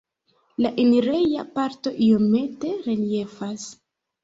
La enireja parto iomete reliefas.